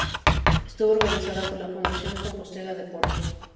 Estuvo organizada por la Fundación Compostela Deporte.